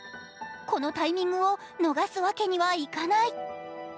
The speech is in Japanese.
このタイミングを逃すわけにはいかない。